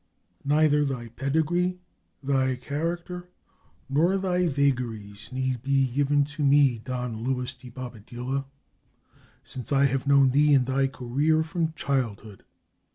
"Neither thy pedigree, thy character, nor thy vaga 477 SPAIN ries, need be given to me, Don Luis de Bobadilla, since I have known thee and thy career from childhood.